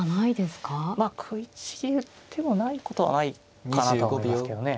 食いちぎる手もないことはないかなとは思いますけどね。